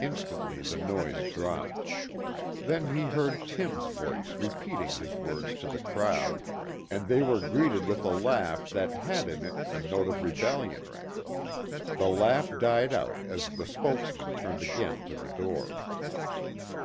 Instantly the noise dropped. Then he heard Tim's voice repeating his words to the crowd, and they were greeted with a laugh that had in it a note of rebellion. The laugh died out as the spokesman turned again to the door.